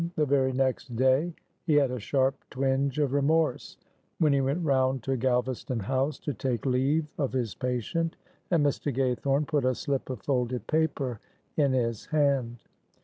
The very next day he had a sharp twinge of remorse, when he went round to Galvaston House to take leave of his patient, and Mr. Gaythorne put a slip of folded paper in his hand.